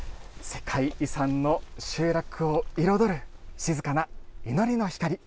世界遺産の集落を彩る、静かな祈りの光。